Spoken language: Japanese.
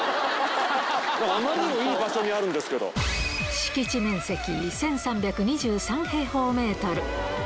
あまりにもいい場所にあるんです敷地面積１３２３平方メートル。